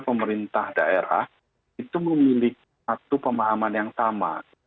pemerintah daerah itu memiliki satu pemahaman yang sama